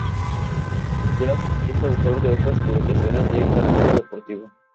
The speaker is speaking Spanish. Vidal es autor de otras publicaciones de carácter deportivo.